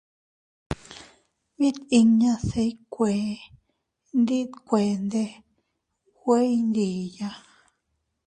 Mit inña se iykuee ndi kuende nwe iydiya.